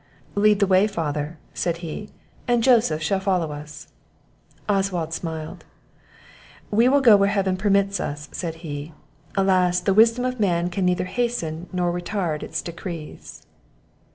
"Lead the way, father," said he, "and Joseph shall follow us." Oswald smiled. "We will go where Heaven permits us," said he; "alas! the wisdom of man can neither hasten, nor retard, its decrees."